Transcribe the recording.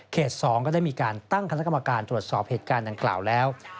๒ก็ได้มีการตั้งคณะกรรมการตรวจสอบเหตุการณ์ดังกล่าวแล้ว